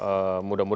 kita tetap berkembang